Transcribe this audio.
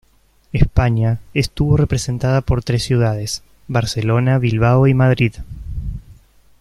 España estuvo representada por tres ciudades: Barcelona, Bilbao y Madrid.